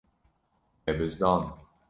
Me bizdand.